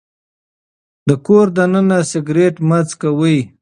د کور دننه سګرټ مه څکوئ.